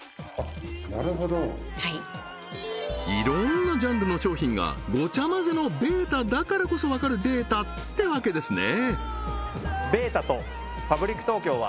なるほどいろんなジャンルの商品がごちゃまぜのｂ８ｔａだからこそわかるデータってわけですね